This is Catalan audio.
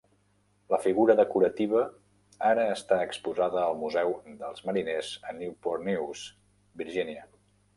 La figura decorativa ara està exposada al Museu dels Mariners a Newport News, Virginia.